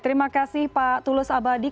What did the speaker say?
terima kasih pak tulus abadi